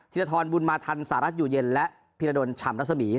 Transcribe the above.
สินทรธรบุญมาธรรณสหรัฐอยู่เย็นและพินโดรฉ่ำรัศมี